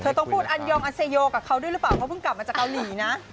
ต้องพูดอันยองอันเซโยกับเขาด้วยหรือเปล่าเพราะเพิ่งกลับมาจากเกาหลีนะ